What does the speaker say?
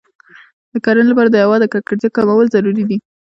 د کرنې لپاره د هوا د ککړتیا کمول ضروري دی.